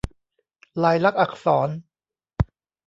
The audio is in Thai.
ลายลักษณ์อักษร